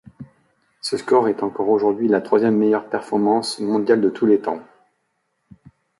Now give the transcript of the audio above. Ce score est encore aujourd'hui la troisième meilleure performance mondiale de tout temps.